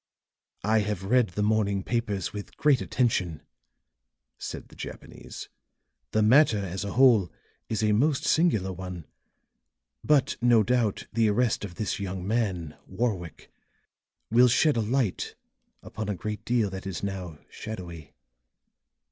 "I have read the morning papers with great attention," said the Japanese. "The matter as a whole is a most singular one. But, no doubt, the arrest of this young man, Warwick, will shed a light upon a great deal that is now shadowy."